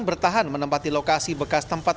bertahan menempati lokasi bekas tempat